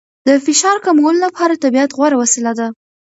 د فشار کمولو لپاره طبیعت غوره وسیله ده.